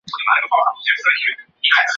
巴芬岛主要居民是因纽特人。